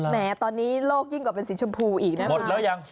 แม้ตอนนี้โลกยิ่งกว่าเป็นสีชมพูอีกนะหมดแล้วยัง